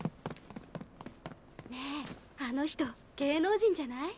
ねえあの人芸能人じゃない？